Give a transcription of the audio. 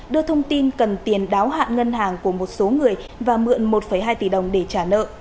đưa thông tin cần tiền đáo hạn ngân hàng của một số người và mượn một hai tỷ đồng để trả nợ